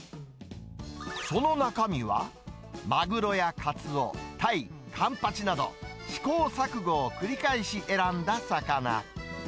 その中身は、マグロやカツオ、タイ、カンパチなど、試行錯誤を繰り返し選んだ魚。